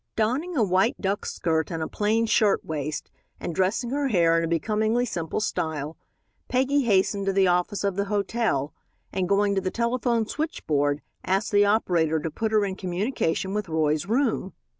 Donning a white duck skirt and a plain shirt waist, and dressing her hair in a becomingly simple style, Peggy hastened to the office of the hotel, and going to the telephone switchboard asked the operator to put her in communication with Roy's room.